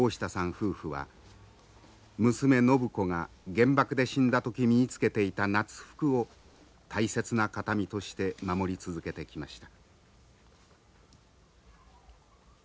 夫婦は娘靖子が原爆で死んだ時身につけていた夏服を大切な形見として守り続けてきました。